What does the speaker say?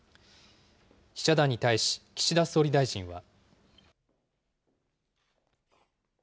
記者団に対し岸田総理大臣は。